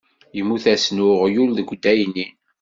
Yemmut-asen uɣyul deg addaynin.